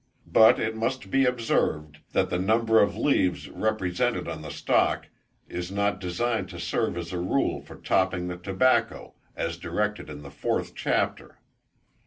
But it must be observed, that the number of leaves represented on the stalk is not designed to serve as a rule for topping the tobacco, as directed in the fourth chapter.